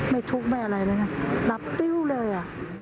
ไม่ทุกข์ไม่อะไรเลยหลับปิ้วเลย